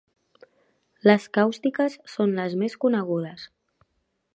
Les càustiques són les més conegudes.